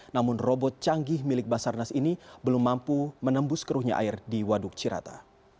namun robot canggih milik basarnas ini belum mampu menembus keruhnya air di waduk cirata